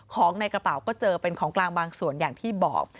ของในกระเป๋าก็เจอเป็นของกลางบางส่วนอย่างที่บอก